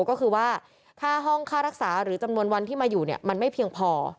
ก็คือว่าค่าห้องค่ารักษาหรือจำนวนวันที่มาอยู่เนี่ยมันไม่เพียงพอ